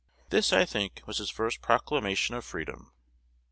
This, I think, was his first proclamation of freedom."